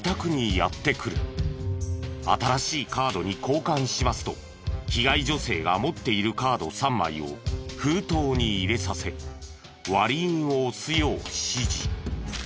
新しいカードに交換しますと被害女性が持っているカード３枚を封筒に入れさせ割り印を押すよう指示。